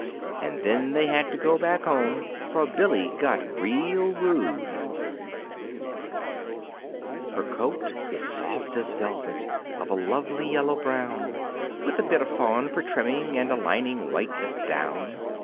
And then they had to go back home for Billy got real rude. Her coat is soft as velvet, of a lovely yellow brown, With a bit of fawn for trimming and a lining white as down.